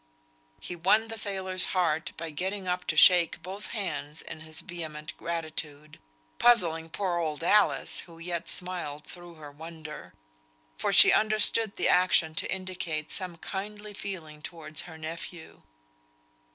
He won the sailor's heart by getting up to shake both his hands in his vehement gratitude, puzzling poor old Alice, who yet smiled through her wonder; for she understood the action to indicate some kindly feeling towards her nephew.